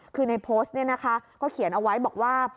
คือในโพสต์ก็เขียนเอาไว้บอกว่า